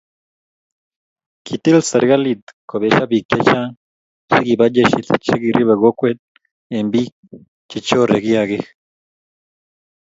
Kitil serikalit kobesha bik chechang chikibo jeshit chekiribe kokwet eng bik chi chore kiaik.